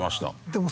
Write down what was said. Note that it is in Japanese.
でも。